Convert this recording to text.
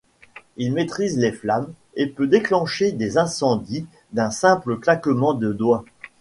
Il maîtrise les flammes et peut déclencher des incendies d'un simple claquement de doigts.